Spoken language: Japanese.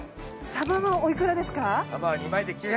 さばはおいくらですか？